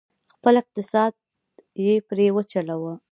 خپل اقتصاد یې پرې وچلوه،